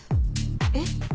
えっ？